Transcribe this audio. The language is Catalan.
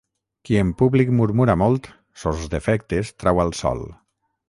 Qui en públic murmura molt, sos defectes trau al sol.